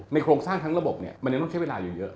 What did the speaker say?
โครงสร้างทั้งระบบเนี่ยมันยังต้องใช้เวลาเยอะ